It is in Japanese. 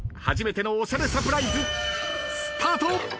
初めてのおしゃれサプライズ。スタート。